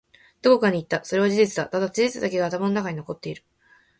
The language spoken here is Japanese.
どこかに行った。それは事実だ。ただ、事実だけが頭の中に残っている。